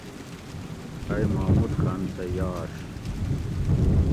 ائی محمود خان سہ یاش